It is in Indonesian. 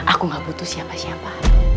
aku gak butuh siapa siapa